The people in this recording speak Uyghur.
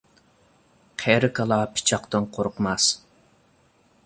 قېرى كالا پىچاقتىن قورقماس.